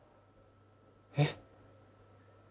えっ？